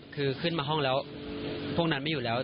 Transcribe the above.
คือขึ้นมาห้องแล้วพวกนั้นไม่อยู่แล้ว